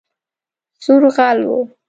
سور غل وو